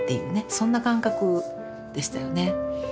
そんな感覚でしたよね。